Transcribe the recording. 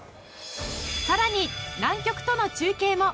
さらに南極との中継も。